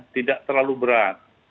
tidak terlalu berat